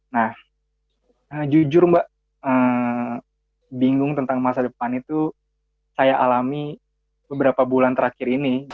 nah jujur mbak bingung tentang masa depan itu saya alami beberapa bulan terakhir ini